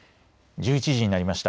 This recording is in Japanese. １１時になりました。